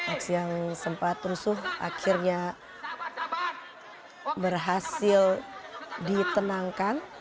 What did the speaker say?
aksi yang sempat rusuh akhirnya berhasil ditenangkan